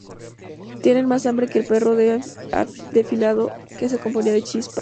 Tiene más hambre que el perro del afilador, que se comía las chispas